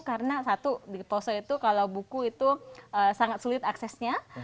karena satu di poso itu kalau buku itu sangat sulit aksesnya